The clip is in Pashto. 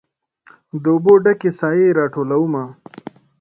د اوبو ډ کې سائې راټولومه